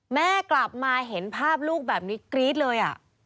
แม่กลับมาเห็นภาพลูกแบบนี้กรี๊ดเลย